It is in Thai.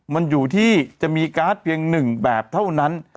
มันอยู่ที่จะมีการ์ดเพียงหนึ่งแบบเท่านั้น